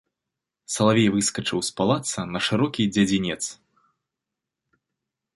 Салавей выскачыў з палаца на шырокі дзядзінец.